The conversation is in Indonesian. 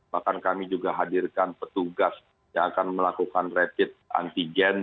bahkan kami juga hadirkan petugas yang akan melakukan rapid antigen